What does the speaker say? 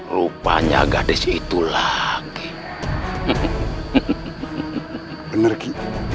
rupanya gadis itu lagi